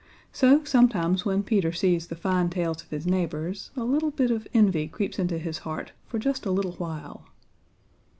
So sometimes when Peter sees the fine tails of his neighbors, a little bit of envy creeps into his heart for just a little while.